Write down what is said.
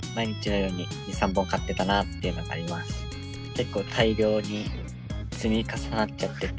結構大量に積み重なっちゃってて。